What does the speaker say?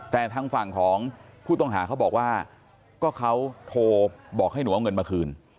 แต่ทางฝั่งของผู้ต้องหาเขาบอกว่าก็เขาโทรบอกให้หนูเอาเงินมาคืน